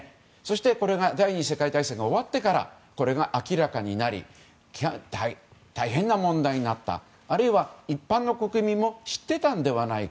これが第２次世界大戦が終わってからこれが明らかになり大変な問題になった、あるいは一般の国民も知っていたんではないか。